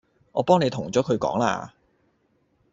我幫你同咗佢講啦